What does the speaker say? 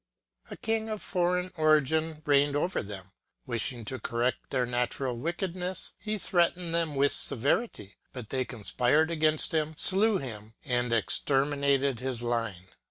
A king of foreign origin reigned over them. Wishing to correct their natural wickedness, he treated them with severity ; but they conspired against him, slew him, and exterminated his line.